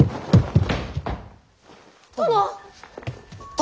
殿！